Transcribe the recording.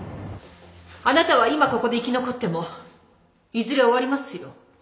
あなたは今ここで生き残ってもいずれ終わりますよ